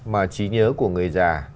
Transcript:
mà trí nhớ của người già